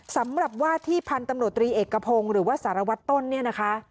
สำหรับว่าที่พันธุ์ตำรวจตรีเอกพงศ์หรือว่าสารวัตรต้นเนี่ยนะคะ